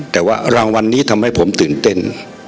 แต่ว่ารางวัลนี้ทำให้ผมตื่นเต้น